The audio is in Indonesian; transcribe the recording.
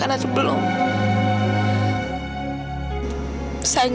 saya gak tahu ibu saya lagi dimana sekarang